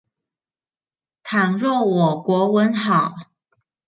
倘若我國文好